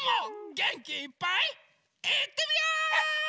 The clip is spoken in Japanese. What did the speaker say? げんきいっぱいいってみよ！